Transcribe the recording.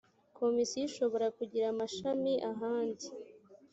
komisiyo ishobora kugira amashami ahandi